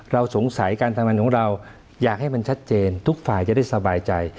เราสงสัยการทำงานของเราอยากให้มันชัดเจนทุกฝ่ายจะได้สบายใจ